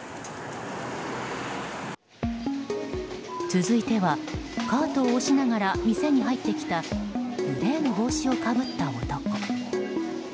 続いては、カートを押しながら店に入ってきたグレーの帽子をかぶった男。